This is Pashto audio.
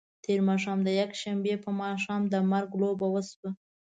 تېر ماښام د یکشنبې په ماښام د مرګ لوبه وشوه.